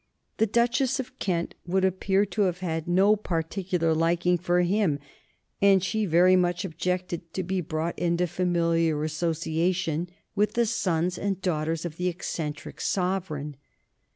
The Duchess of Kent would appear to have had no particular liking for him, and she very much objected to be brought into familiar association with the sons and daughters of the eccentric sovereign.